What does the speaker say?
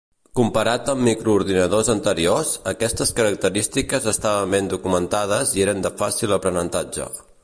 Comparat amb microordinadors anteriors, aquestes característiques estaven ben documentades i eren de fàcil aprenentatge.